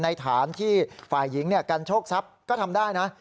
ฐานที่ฝ่ายหญิงกันโชคทรัพย์ก็ทำได้นะ